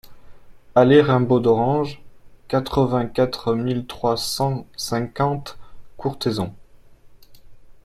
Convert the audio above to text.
Allée Raimbaud d'Orange, quatre-vingt-quatre mille trois cent cinquante Courthézon